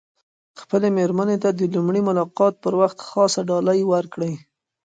خپلي ميرمني ته د لومړي ملاقات پر وخت خاصه ډالۍ ورکړئ.